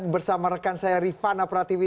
bersama rekan saya rifana pratiwi